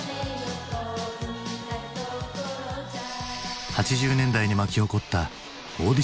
８０年代に巻き起こったオーディションブーム。